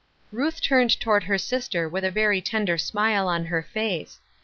Ruth turned toward her sister with a very tender smile on her face.